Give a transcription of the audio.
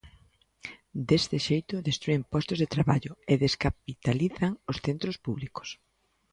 Deste xeito, destrúen postos de traballo e descapitalizan os centros públicos.